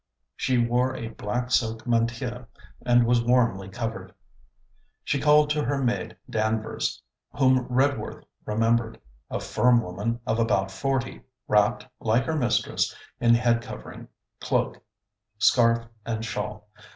She wore a black silk mantilla and was warmly covered. She called to her maid Danvers, whom Redworth remembered: a firm woman of about forty, wrapped, like her mistress, in head covering, cloak, scarf and shawl.